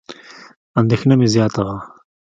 اندېښنه مې زیاته وه.